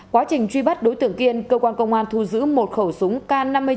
quá trình truy bắt đối tượng kiên cơ quan công an thu giữ một khẩu súng k năm mươi chín